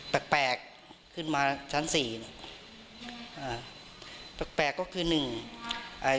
แปลกแปลกขึ้นมาชั้นสี่เนี้ยอ่าแปลกแปลกก็คือหนึ่งอ่า